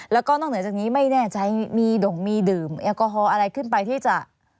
แล้วก็นอกเหนือจากนี้ไม่แน่ใจมีด่งมีดื่มแอลกอฮอลอะไรขึ้นไปที่จะ